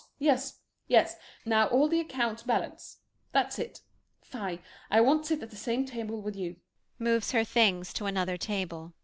Yes, yes! Now all the accounts balance. That's it. Fie, I won't sit at the same table with you. [Moves her things to another table.